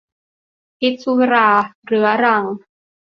พิษสุราเรื้อรัง